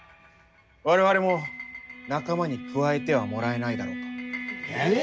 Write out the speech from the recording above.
我々も仲間に加えてはもらえないだろうか。ええ！？